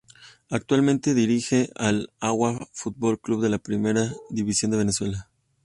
Actualmente dirige al Aragua Fútbol Club de la Primera División de Venezuela.